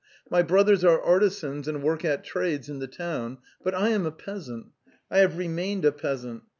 My brothers are artisans and work at trades in the town, but I am a peasant. ... 1 have remained a peasant.